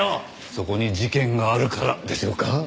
そこに事件があるからでしょうか。